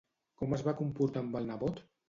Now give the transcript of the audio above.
Com es va comportar amb el nebot?